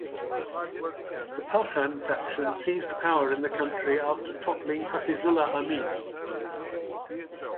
The Parcham faction seized power in the country after toppling Hafizullah Amin.